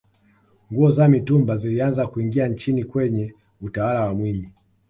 nguo za mitumba zilianza kuingia nchini kwenye utawala wa mwinyi